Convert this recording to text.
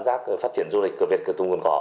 và một trong ba đỉnh của tàu